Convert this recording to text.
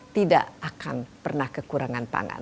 tidak akan pernah kekurangan pangan